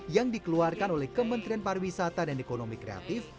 yang dikeluarkan oleh kementerian pariwisata dan ekonomi kreatif